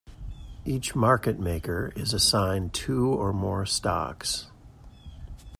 Each market maker is assigned two or more stocks.